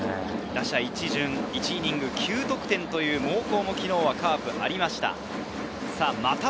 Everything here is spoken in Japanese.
打者１イニング９得点という猛攻が昨日ありました。